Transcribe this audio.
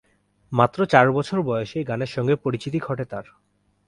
মাত্র চার বছর বয়সেই গানের সঙ্গে পরিচিতি ঘটে তার।